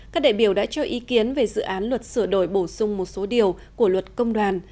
các đại biểu đã cho ý kiến về dự án luật sửa đổi bổ sung một số điều của luật công đoàn